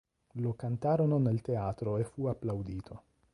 Lo cantarono nel teatro e fu applaudito.